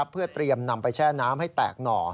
เพื่อเตรียมนำไปแช่น้ำให้แตกหน่อ